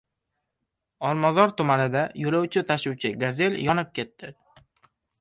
Olmazor tumanida yo‘lovchi tashuvchi "Gazel" yonib ketdi